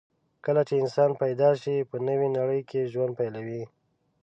کله چې انسان پیدا شي، په نوې نړۍ کې ژوند پیلوي.